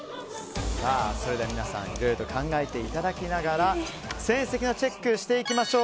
それでは皆さんいろいろ考えていただきながら戦績のチェックをしていきましょう。